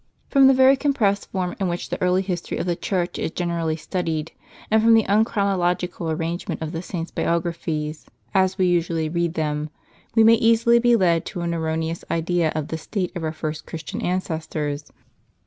From the very compressed form in which the early history of the Church is generally studied, and from the unchronologi cal arrangement of the saints' biographies, as we usually read them, we may easily be led to an erroneous idea of the state of our first Christian ancestors.